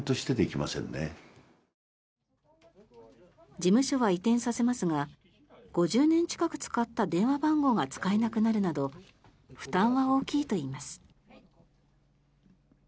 事務所は移転させますが５０年近く使った電話番号が使えなくなるなど負担は大きいといいます。